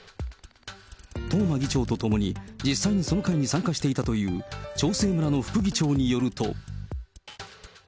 東間議長と共に実際にその会に参加していたという長生村の副議長によると。